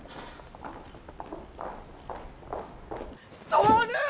徹。